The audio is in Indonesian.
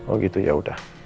oh gitu ya udah